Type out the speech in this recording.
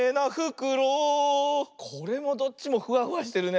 これもどっちもフワフワしてるね。